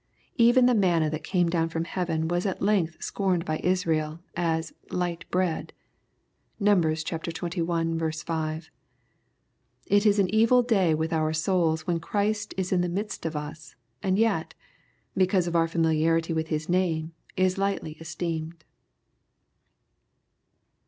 Even the manna that came down fronfheaven was at length scorned by Israel, as " light bread."' (Num. xxi. 6.) It is an evil day with our souls, when Christ is in the midst of us, and yet, because of our familiarity with His name, is lightly esteemed.